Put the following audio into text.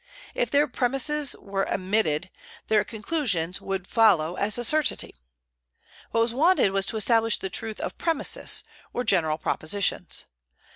If their premises were admitted, their conclusions would follow as a certainty. What was wanted was to establish the truth of premises, or general propositions.